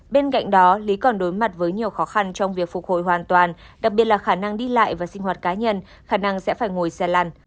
bên cạnh đó lý còn đối mặt với nhiều khó khăn trong việc phục hồi hoàn toàn đặc biệt là khả năng đi lại và sinh hoạt cá nhân khả năng sẽ phải ngồi xe lăn